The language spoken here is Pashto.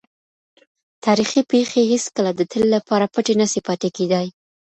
تاریخي پېښې هېڅکله د تل لپاره پټې نه سي پاتې کېدای.